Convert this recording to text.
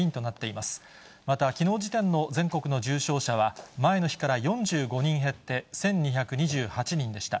また、きのう時点の全国の重症者は前の日から４５人減って１２２８人でした。